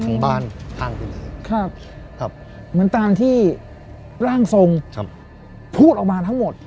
ทั้งบ้านท่างไปเลยครับเหมือนตามที่ล่างทรงพูดออกมาทั้งหมด